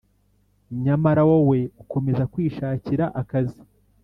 Nyamara wowe ukomeza kwishakira akazi